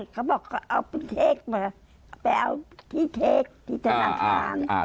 เขาบอกเขาเอาเช็คมาไปเอาที่เช็คที่ธนาคาร